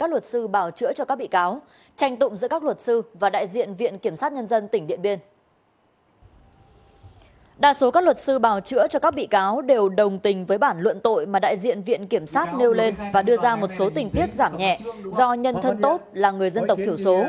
đa số các luật sư bào chữa cho các bị cáo đều đồng tình với bản luận tội mà đại diện viện kiểm sát nêu lên và đưa ra một số tình tiết giảm nhẹ do nhân thân tốt là người dân tộc thiểu số